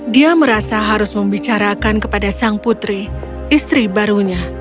dia merasa harus membicarakan kepada sang putri istri barunya